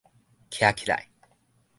徛起來